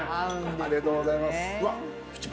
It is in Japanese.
ありがとうございます。